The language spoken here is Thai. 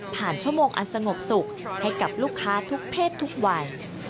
ชั่วโมงอันสงบสุขให้กับลูกค้าทุกเพศทุกวัย